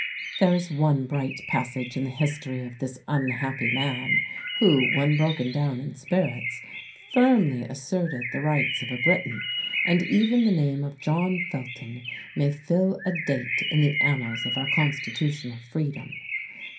There is one bright passage in the history of this unhappy man, who, when broken down in spirits, firmly asserted the rights of a Briton; and even the name of John Felton may fill a date in the annals of our constitutional freedom.